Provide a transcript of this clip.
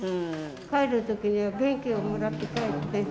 帰るときには元気をもらって帰って。